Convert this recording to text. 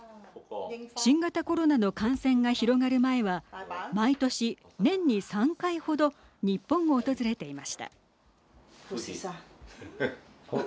新型コロナの感染が広がる前は毎年、年に３回程日本を訪れていました。